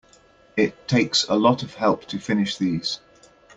It takes a lot of help to finish these.